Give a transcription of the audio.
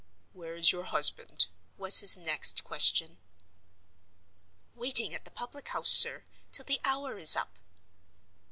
"Where is your husband?" was his next question. "Waiting at the public house, sir, till the hour is up."